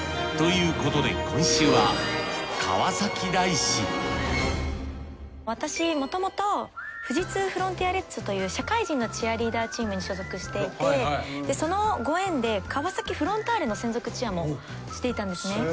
ということで今週は私もともと富士通フロンティアレッツという社会人のチアリーダーチームに所属していてそのご縁で川崎フロンターレの専属チアもしていたんですね。